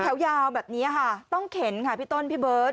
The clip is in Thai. แถวยาวแบบนี้ค่ะต้องเข็นค่ะพี่ต้นพี่เบิร์ต